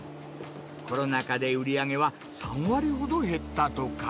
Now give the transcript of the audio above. コロナ禍で売り上げは３割ほど減ったとか。